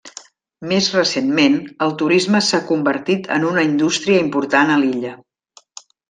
Més recentment, el turisme s'ha convertit en una indústria important a l'illa.